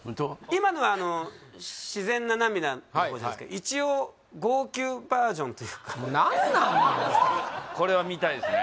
今のは自然な涙のほうじゃないですか一応号泣バージョンっていうか何なんもうこれは見たいですね